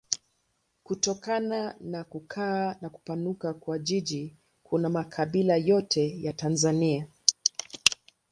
Kutokana na kukua na kupanuka kwa jiji kuna makabila yote ya Tanzania.